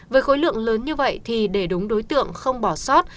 với khối lượng lớn như vậy thì để đúng đối tượng không bỏ sót